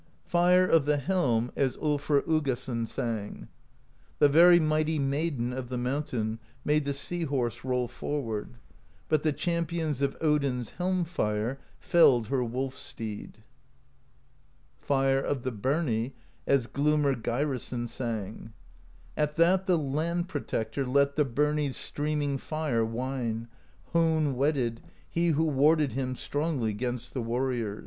Fire of the Helm, as Ulfr Uggason sang: The very mighty Maiden Of the Mountain made the Sea Horse Roll forward, but the Champions Of Odin's Helm Fire felled her Wolf Steed. Fire of the Birnie, as Glumr Geirason sang: At that the Land Protector Let the Birnie's Streaming Fire whine. Hone whetted, he who warded Him strongly 'gainst the warriors.